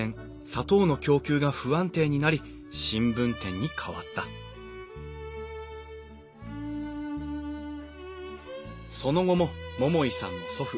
砂糖の供給が不安定になり新聞店に変わったその後も桃井さんの祖父